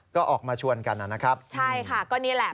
ก็ออกมาชวนกันนะครับ